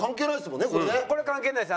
これは関係ないです。